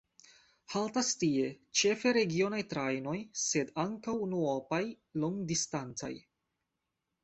Haltas tie ĉefe regionaj trajnoj, sed ankaŭ unuopaj longdistancaj.